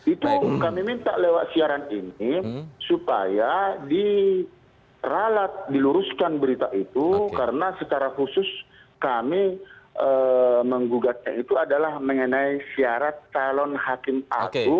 itu kami minta lewat siaran ini supaya diralat diluruskan berita itu karena secara khusus kami menggugatnya itu adalah mengenai syarat calon hakim agung